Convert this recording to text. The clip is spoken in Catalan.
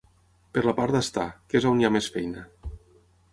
Per la part d'estar, que és on hi ha més feina.